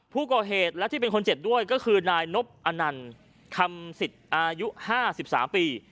ผู้ก่อเหตุและที่เป็นคนเจ็บด้วยก็คือนายนบอนันต์คำสิทธิ์อายุ๕๓ปี